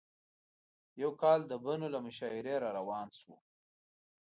یو کال د بنو له مشاعرې راروان شوو.